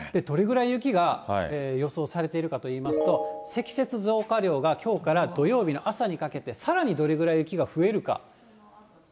どれぐらい雪が予想されているかといいますと、積雪増加量がきょうから土曜日の朝にかけてさらにどれぐらい雪が増えるか。